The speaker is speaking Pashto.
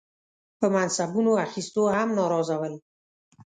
په منصبونو اخیستو هم ناراضه ول.